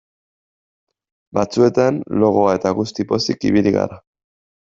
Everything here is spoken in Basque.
Batzuetan logoa eta guzti pozik ibili gara.